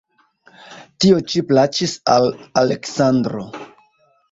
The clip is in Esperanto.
Tio ĉi plaĉis al Aleksandro.